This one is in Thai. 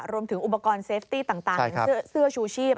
รวมถึงอุปกรณ์เซฟตี้ต่างอย่างเสื้อชูชีพ